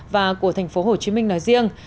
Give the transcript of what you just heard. và của thành phố hồ chí minh nói riêng